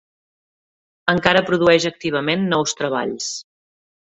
Encara produeix activament nous treballs.